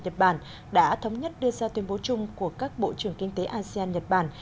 nhật bản đã thống nhất đưa ra tuyên bố chung của các bộ trưởng kinh tế asean nhật bản